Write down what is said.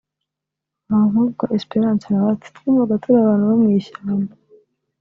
Bankobwa Esperance na we ati “Twumvaga turi abantu bo mu ishyamba